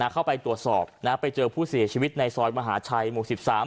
เข้าไปตรวจสอบไปเจอผู้เสียชีวิตในซอยมหาชัยหมู่๑๓